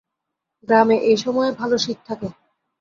গ্রামে এই সময়ে ভালো শীত থাকে।